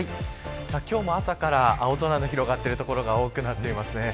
今日も朝から青空が広がっている所が多くなっていますね。